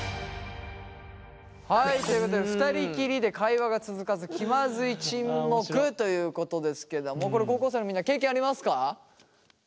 はいということで２人きりで会話が続かず気まずい沈黙ということですけどもこれ高校生のみんな経験ありますか？